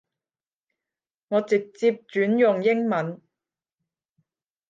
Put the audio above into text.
我直接轉用英文